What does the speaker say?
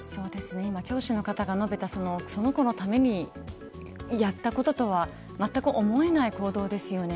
今、教師の方が述べたその子のためにやったこととはまったく思えない行動ですよね。